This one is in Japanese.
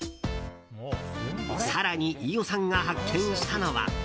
更に、飯尾さんが発見したのは。